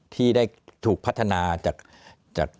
ที่ได้ถูกพัฒนาจาก